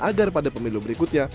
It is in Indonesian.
agar pada pemilu berikutnya